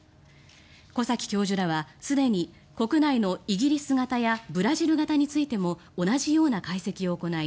小崎教授らはすでに国内のイギリス型やブラジル型についても同じような解析を行い